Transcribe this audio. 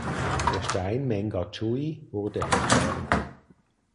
Der Stein "Mengachui" wurde entfernt.